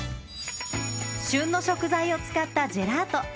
旬の食材を使ったジェラート。